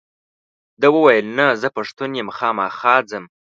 ده وویل نه زه پښتون یم خامخا ځم.